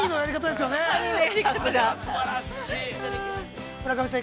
すばらしい。